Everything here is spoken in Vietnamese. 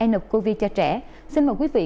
mqv cho trẻ xin mời quý vị